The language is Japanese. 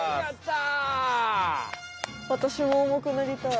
わたしも重くなりたい。